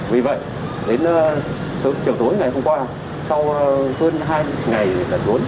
vì vậy đến sớm chiều tối ngày hôm qua sau hơn hai ngày lần bốn